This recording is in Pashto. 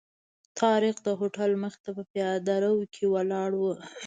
طارق د هوټل مخې ته په پیاده رو کې ولاړ و.